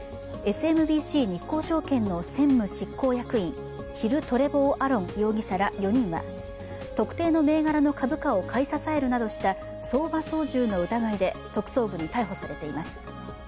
ＳＭＢＣ日興証券の専務執行役員、ヒル・トレボー・アロン容疑者ら４人は特定の銘柄の株価を買い支えるなどした相場操縦の疑いで特捜部に逮捕されています。